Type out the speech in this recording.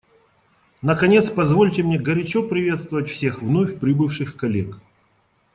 Наконец, позвольте мне горячо приветствовать всех вновь прибывших коллег.